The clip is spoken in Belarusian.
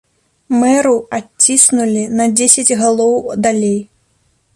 Мэру адціснулі на дзесяць галоў далей.